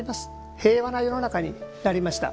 平和な世の中になりました。